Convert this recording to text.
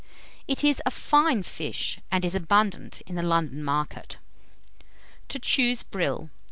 It is a fine fish, and is abundant in the London market. TO CHOOSE BRILL.